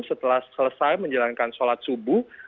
setelah selesai menjalankan sholat subuh